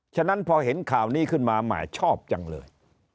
ฉะนั้นพอเห็นข่าวนี้ขึ้นมาแหมชอบจังเลย